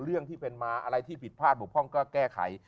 เรื่องที่เป็นมาอะไรที่ผิดพลาดบกพร่องก็แก้ไข